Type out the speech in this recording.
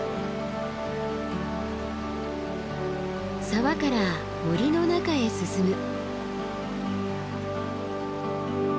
沢から森の中へ進む。